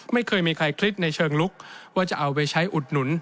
ไม่เคยมีใครคิดในเชิงลุกว่าจะเอาไปใช้อุดหนุน